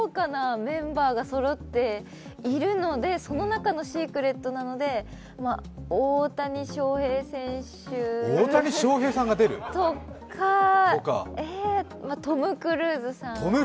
十分すごい、豪華なメンバーがそろっているのでその中のシークレットなので、大谷翔平選手とかトム・クルーズさん。